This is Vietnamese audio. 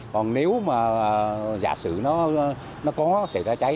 còn nếu mà giả sử nó có xảy ra cháy